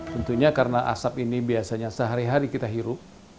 tentunya karena asap ini biasanya sehari hari kita hirup